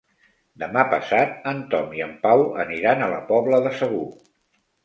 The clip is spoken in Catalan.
Demà passat en Tom i en Pau aniran a la Pobla de Segur.